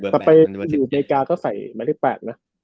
แต่ไปอยู่ในประเทศไทยก็ใส่รักที่๘นะ